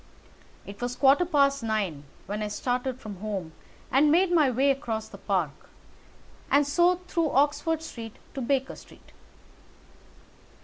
It was a quarter past nine when I started from home and made my way across the Park, and so through Oxford Street to Baker Street.